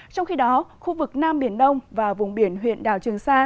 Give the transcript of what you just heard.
trong khi đó khu vực nam biển đông và vùng biển huyện đào trường